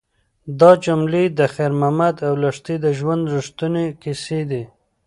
دا جملې د خیر محمد او لښتې د ژوند رښتونې کیسې دي.